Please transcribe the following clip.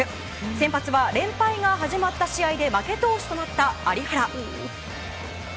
先発は、連敗が始まった試合で負け投手となった有原。